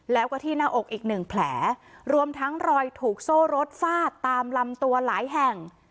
แล้วก็ที่หน้าอกอีกหนึ่งแผลรวมทั้งรอยถูกโซ่รถฟาดตามลำตัวหลายแห่ง